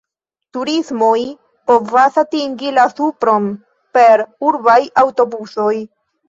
Turistoj povas atingi la supron per urbaj aŭtobusoj.